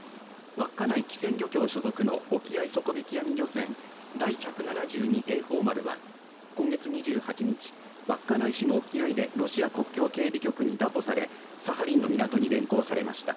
稚内機船漁協所属の沖合底引き網漁船第百七十二榮寳丸は今月２８日稚内市の沖合でロシア国境警備局に拿捕されサハリンの港に連行されました。